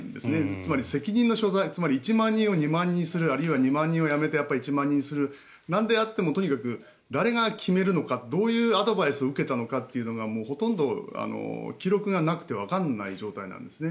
つまり、責任の所在１万人を２万人にするあるいは２万人をやめてやっぱり１万人にするなんであっても誰が決めるのかどういうアドバイスを受けたのかというのがもうほとんど記録がなくてわからない状態なんですね。